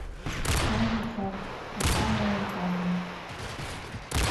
Чылан вучат, онча мыйым кажне